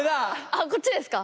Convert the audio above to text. あこっちですか。